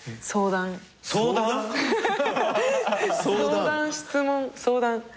相談質問相談。